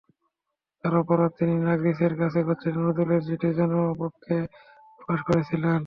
তাঁর অপরাধ, তিনি নার্গিসের কাছে গচ্ছিত নজরুলের চিঠি জনসমক্ষে প্রকাশ করেছিলেন।